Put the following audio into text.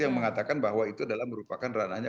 yang mengatakan bahwa itu adalah merupakan ranahnya